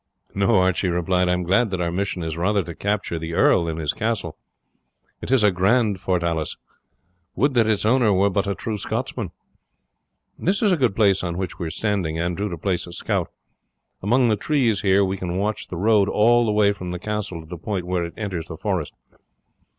"No," Archie replied, "I am glad that our mission is rather to capture the earl than his castle. It is a grand fortalice. Would that its owner were but a true Scotchman! This is a good place on which we are standing, Andrew, to place a scout. Among the trees here he can watch the road all the way from the castle to the point where it enters the forest.